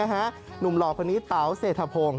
หนุ่มหล่อคนนี้เต๋าเศรษฐพงศ